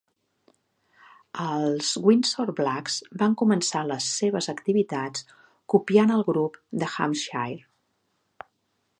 Els Windsor Blacks van començar les seves activitats, copiant el grup de Hampshire.